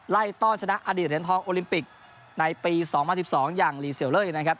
ต้อนชนะอดีตเหรียญทองโอลิมปิกในปี๒๐๑๒อย่างลีเซียวเล่นะครับ